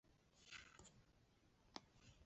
密切关注汛情预报